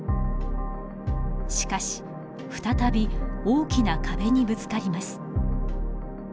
しかし再び大きな壁にぶつかります。